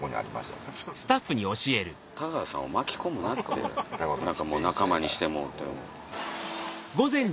田川さんを巻き込むなって何かもう仲間にしてもうて。